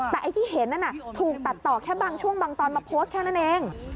แต่ไอ้ที่เห็นนั่นน่ะถูกตัดต่อแค่บางช่วงบางตอนมาโพสต์แค่นั้นเอง